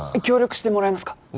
協力してもらえますか？